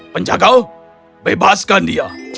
penjaga bebaskan dia